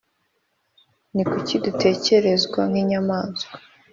Ni kuki dutekerezwa nk’inyamaswa?